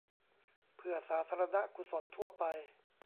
เพื่อสาธารณกุศลทั่วไป